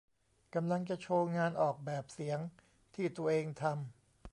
กำลังจะโชว์งานออกแบบเสียงที่ตัวเองทำ